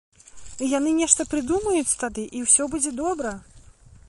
І яны нешта прыдумаюць тады, і ўсё будзе добра.